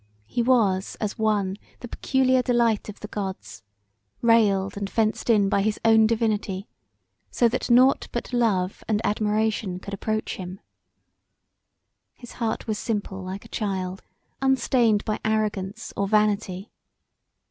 He was, as one the peculiar delight of the Gods, railed and fenced in by his own divinity, so that nought but love and admiration could approach him. His heart was simple like a child, unstained by arrogance or vanity.